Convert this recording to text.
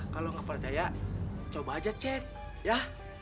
kalau nggak percaya coba aja cek ya